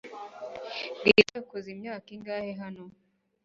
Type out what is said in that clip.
Bwiza yakoze imyaka ingahe hano?